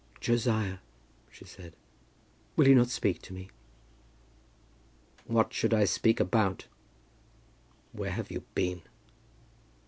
"Josiah," she said, "will you not speak to me?" "What should I speak about? Where have you been?"